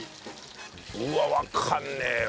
うわあわかんねえわ。